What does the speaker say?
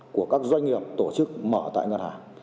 của các doanh nghiệp tổ chức mở tại ngân hàng